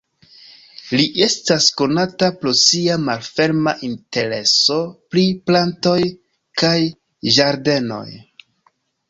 Li estas konata pro sia malferma intereso pri plantoj kaj ĝardenoj.